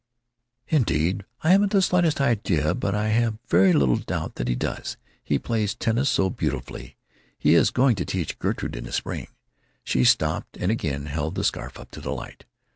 "Indeed, I haven't the slightest idea, but I have very little doubt that he does—he plays tennis so beautifully. He is going to teach Gertrude, in the spring." She stopped, and again held the scarf up to the light.